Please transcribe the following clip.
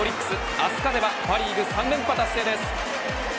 明日勝てばパ・リーグ３連覇達成です。